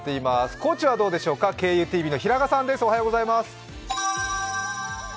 高知はどうでしょうか、ＫＵＴＶの平賀さんです。